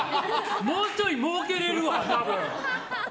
もうちょいもうけれるわ！